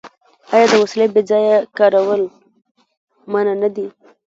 آیا د وسلې بې ځایه کارول منع نه دي؟